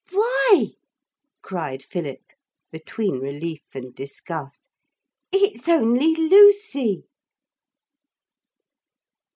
'Why!' cried Philip, between relief and disgust, 'it's only Lucy!'